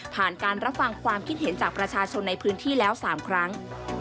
ผ่านการรับฟังความคิดเห็นจากประชาชนในพื้นที่แล้ว๓ครั้ง